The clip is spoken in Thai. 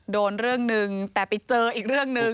โดนเรื่องหนึ่งแต่ไปเจออีกเรื่องหนึ่ง